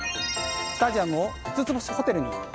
スタジアムを５つ星ホテルに？